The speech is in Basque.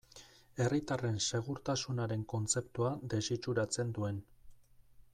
Herritarren segurtasunaren kontzeptua desitxuratzen duen.